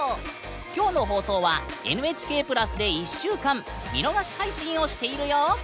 今日の放送は「ＮＨＫプラス」で１週間見逃し配信をしているよ！